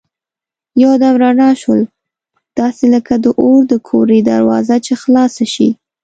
یو دم رڼا شول داسې لکه د اور د کورې دروازه چي خلاصه شي.